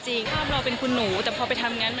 ภาพเราเป็นคุณหนูแต่พอไปทำอย่างนั้น